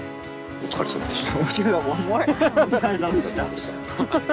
お疲れさまでした。